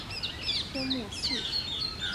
科目四